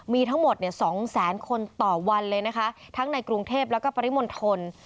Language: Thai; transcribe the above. มีทั้งหมดเนี่ยสองแสนคนต่อวันเลยนะคะทั้งในกรุงเทพแล้วก็ปริมณฑล